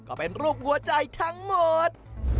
ก็เป็นรูปหัวใจทั้งหมด